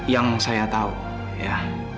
yang saya tahu ya